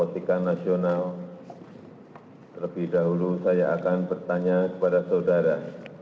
terlebih dahulu saya akan bertanya kepada saudara